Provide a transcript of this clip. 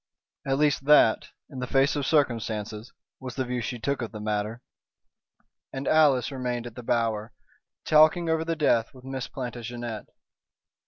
At least that in the face of circumstances was the view she took of the matter. And Alice remained at The Bower, talking over the death with Miss Plantagenet.